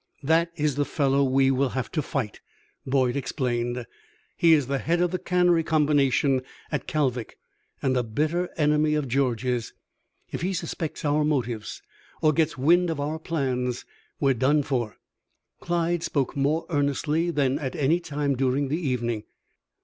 "That is the fellow we will have to fight," Boyd explained. "He is the head of the cannery combination at Kalvik, and a bitter enemy of George's. If he suspects our motives or gets wind of our plans, we're done for." Clyde spoke more earnestly than at any time during the evening.